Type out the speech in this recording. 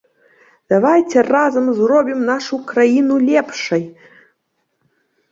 Давайце разам зробім нашу краіну лепшай!